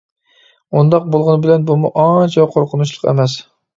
ئۇنداق بولغىنى بىلەن بۇمۇ ئانچە قورقۇنچلۇق ئەمەس.